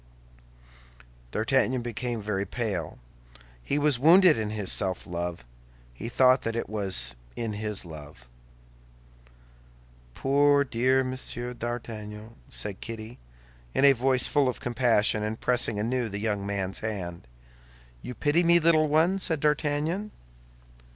D'Artagnan became very pale; he was wounded in his self love: he thought that it was in his love. "Poor dear Monsieur d'Artagnan," said Kitty, in a voice full of compassion, and pressing anew the young man's hand. "You pity me, little one?" said D'Artagnan.